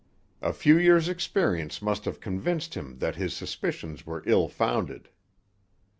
A few years' experience must have convinced him that his suspicions were ill founded.